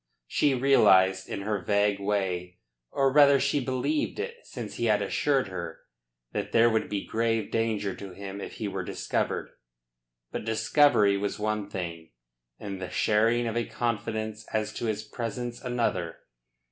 She realised in her vague way or rather she believed it since he had assured her that there would be grave danger to him if he were discovered. But discovery was one thing, and the sharing of a confidence as to his presence another.